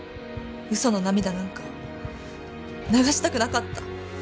嘘の涙なんか流したくなかった。